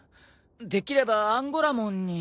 できればアンゴラモンに。